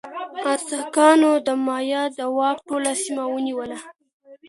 ازتکانو د مایا د واک ټوله سیمه ونیوله.